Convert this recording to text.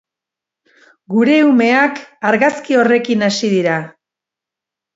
Gure umeak argazki horrekin hasi dira.